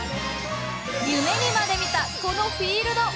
夢にまでみたこのフィールド。